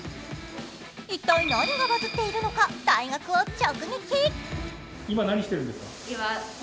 一体何がバズっているのか大学を直撃。